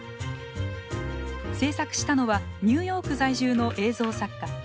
制作したのはニューヨーク在住の映像作家